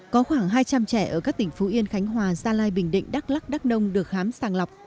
có khoảng hai trăm linh trẻ ở các tỉnh phú yên khánh hòa gia lai bình định đắk lắc đắk nông được khám sàng lọc